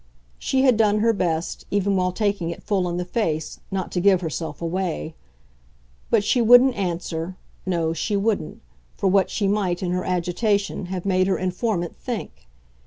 She had done her best, even while taking it full in the face, not to give herself away; but she wouldn't answer no, she wouldn't for what she might, in her agitation, have made her informant think.